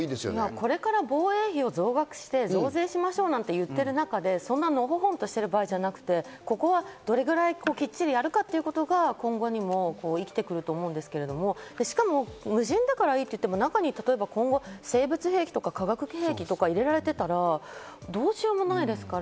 これから防衛費を増額して、増税しましょうと言ってる時に、のほほんとしてる場合じゃなくて、どれくらいきっちりやるかということが、今後にも生きてくると思うんですけど、しかも無人だからいいと言っても、中に今後、生物兵器とか、化学兵器とか入れられていたら、どうしようもないですから。